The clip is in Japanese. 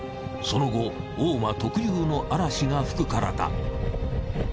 その後大間特有の嵐が吹くからだ。